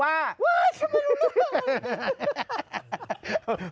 ว้าวฉันไม่รู้เลย